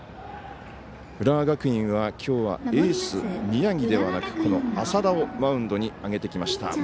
浦和学院はきょうはエース、宮城ではなく浅田をマウンドに上げてきました。